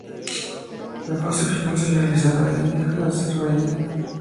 La fase final se realizará en Azerbaiyán.